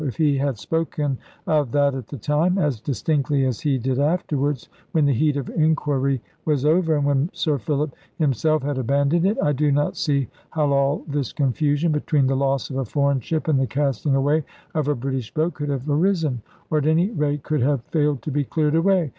If he had spoken of that at the time, as distinctly as he did afterwards, when the heat of inquiry was over, and when Sir Philip himself had abandoned it, I do not see how all this confusion, between the loss of a foreign ship and the casting away of a British boat, could have arisen, or at any rate could have failed to be cleared away.